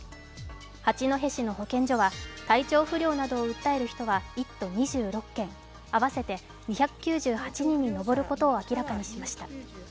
八戸市の保健所は体調不良などを訴える人は１都２６県、合わせて２９８人に上ることを明らかにしました。